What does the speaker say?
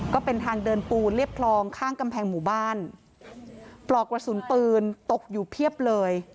เรียบรองข้างกำแพงหมู่บ้านปลอกระสุนปืนตกอยู่เพียบเลย